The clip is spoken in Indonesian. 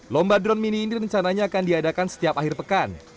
lomba drone mini ini rencananya akan diadakan setiap akhir pekan